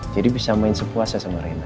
jadi bisa main sepuasnya sama rena